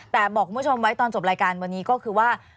แต่บอกคุณผู้ชมไว้ตอนจบรายการวันนี้ก็คือว่า